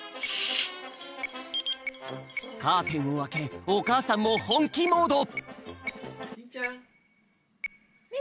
カーテンをあけおかあさんもほんきモード！